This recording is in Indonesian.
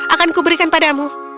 akanku berikan padamu